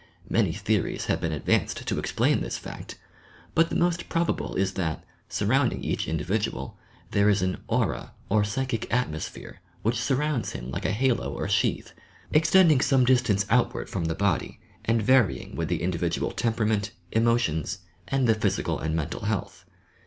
Many theories have been advanced to explain this fact, but the most probable is that, surrounding each indi ridual, there is an "aura" or psychic atmosphere whicli surrounds him like a halo or sheath, extending some distance outward from the body and varying with the individual temperament, emotions and the physical and mental health.